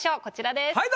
こちらです。